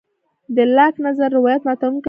د لاک نظر روایت ماتوونکی و.